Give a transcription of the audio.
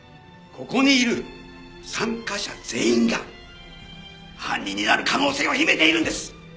ここにいる参加者全員が犯人になる可能性を秘めているんです！